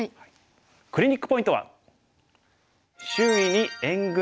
クリニックポイントは。